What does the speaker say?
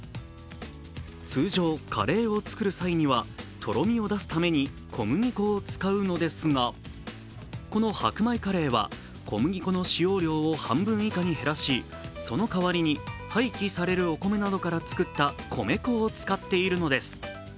通常、カレーを作る際にはとろみを出すために小麦粉を使うのですがこの箔米カレーは、小麦粉の使用量を半分以下に減らし、その代わりに廃棄されるお米などから作った米粉を使っているのです。